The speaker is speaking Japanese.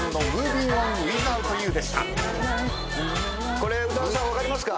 これ宇多田さん分かりますか？